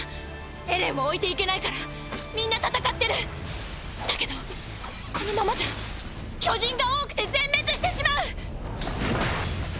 エレンを置いていけないからみんな戦ってる！だけどこのままじゃ巨人が多くて全滅してしまう！